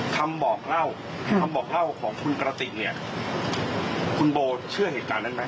คำบอกเล่าคำบอกเล่าของคุณกระติกเนี่ยคุณโบเชื่อเหตุการณ์นั้นไหม